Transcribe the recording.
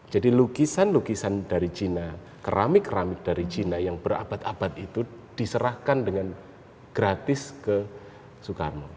jadi lukisan lukisan dari china keramik keramik dari china yang berabad abad itu diserahkan dengan gratis ke soekarno